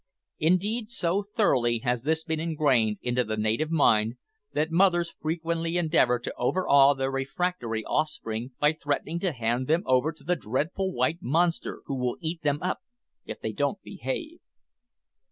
Indeed, so thoroughly has this been engrained into the native mind, that mothers frequently endeavour to overawe their refractory offspring by threatening to hand them over to the dreadful white monster who will eat them up if they don't behave!